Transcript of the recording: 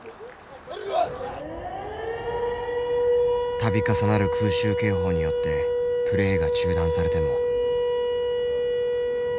度重なる空襲警報によってプレーが中断されても。